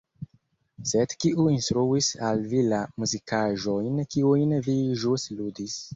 Sed kiu instruis al vi la muzikaĵojn, kiujn vi ĵus ludis.